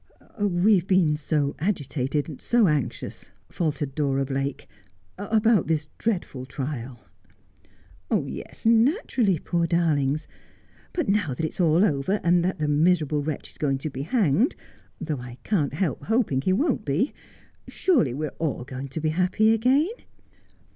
' We have been so agitated, so anxious,' faltered Dora Blake, ' about this dreadful trial.' ' Yes, naturally, poor darlings ! But now that it's all over, and that the miserable wretch is going to be hanged — though I can't help hoping he won't be — surely we are all going to be happy again.'